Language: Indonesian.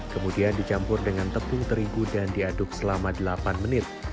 kemudian dicampur dengan tepung terigu dan diaduk selama delapan menit